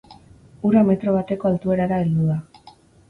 Ura metro bateko altuerara heldu da.